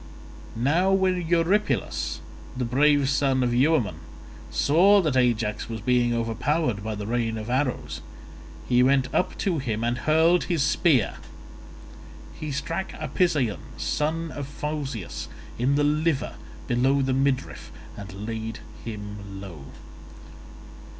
Now when Eurypylus the brave son of Euaemon saw that Ajax was being overpowered by the rain of arrows, he went up to him and hurled his spear. He struck Apisaon son of Phausius in the liver below the midriff, and laid him low.